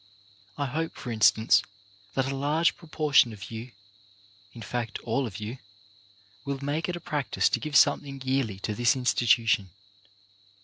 I hope, for instance, that a large proportion of you — in fact all of you — will make it a practice to give something yearly to this institution.